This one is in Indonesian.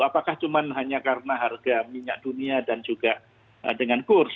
apakah cuma hanya karena harga minyak dunia dan juga dengan kurs